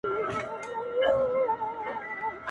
محتسب به له قمچیني سره ښخ وي٫